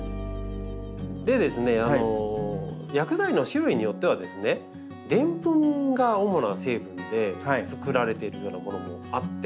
で薬剤の種類によってはですねでんぷんが主な成分でつくられているようなものもあって。